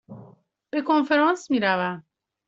به کنفرانس می روم.